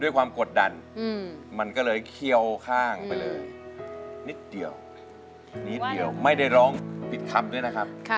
ความกดดันมันก็เลยเคี่ยวข้างไปเลยนิดเดียวนิดเดียวไม่ได้ร้องผิดคำด้วยนะครับ